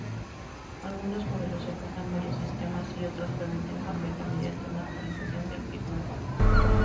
Algunos modelos soportan varios sistemas y otros permiten cambiarlo mediante una actualización del firmware.